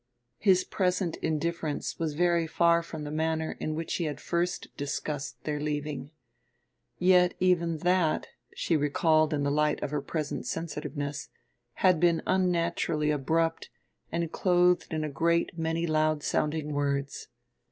His present indifference was very far from the manner in which he had first discussed their leaving. Yet, even that, she recalled in the light of her present sensitiveness, had been unnaturally abrupt and clothed in a great many loud sounding words.